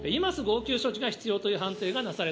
今すぐ応急処置が必要という判定